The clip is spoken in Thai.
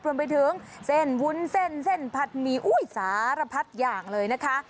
รวมไปถึงเส้นวุ้นเส้นเส้นผัดหมี่อุ้ยสารพัดอย่างเลยนะคะ